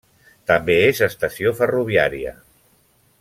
També és estació ferroviària.